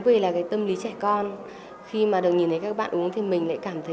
vì là cái tâm lý trẻ